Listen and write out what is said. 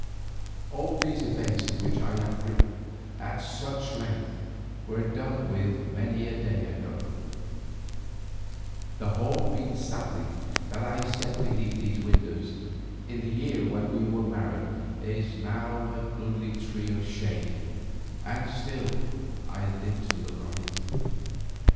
All these events of which I have written at such length were done with many a day ago: the hornbeam sapling that I set beneath these windows in the year when we were married is now a goodly tree of shade and still I live to look on it.